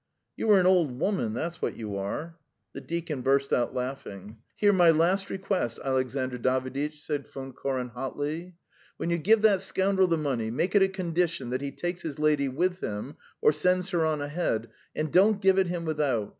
"You are an old woman, that's what you are." The deacon burst out laughing. "Hear my last request, Alexandr Daviditch," said Von Koren hotly. "When you give that scoundrel the money, make it a condition that he takes his lady with him, or sends her on ahead, and don't give it him without.